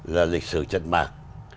là lịch sử trận mạc